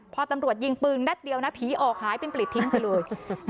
พอตำรวจยิงปืนนัดเดียวนะผีออกหายเป็นปลิดทิ้งไปเลย